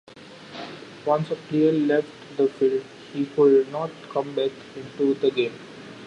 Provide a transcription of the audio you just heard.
Once a player left the field, he could not come back into the game.